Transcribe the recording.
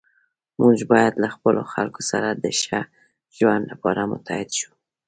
موږ باید له خپلو خلکو سره د ښه ژوند لپاره متحد شو.